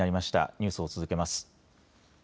ニュースを続けます。